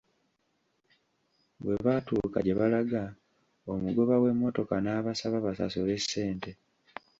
Bwe baatuuka gye balaga, omugoba w'emmotoka n'abasaba basasule ssente.